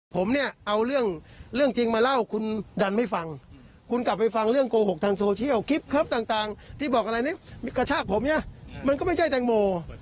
ผมเนี่ยเอาเรื่องเรื่องจริงมาเล่าคุณดันไม่ฟังคุณกลับไปฟังเรื่องโกหกทางโซเชียลคลิปครับต่างที่บอกอะไรนี่กระชากผมเนี่ยมันก็ไม่ใช่แตงโม